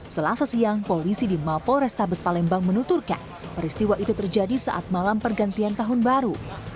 selasa siang polisi di mapol restabes palembang menuturkan peristiwa itu terjadi saat malam pergantian tahun baru